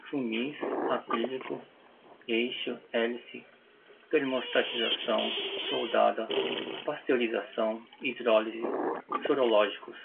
funis, acrílico, eixo, hélice, termostatização, soldada, pasteurização, hidrólise, sorológicos